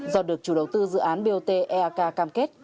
do được chủ đầu tư dự án bot eak cam kết